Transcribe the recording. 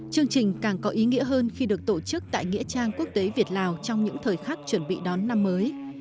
chương trình càng có ý nghĩa hơn khi được tổ chức tại nghĩa trang quốc tế việt lào trong những thời khắc chuẩn bị đón năm mới